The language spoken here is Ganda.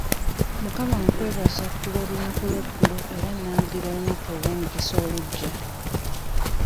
Mukama nkwebaza ku lw'olunaku lw'eggulo era nnangirira olunaku olw'emikisa olugya.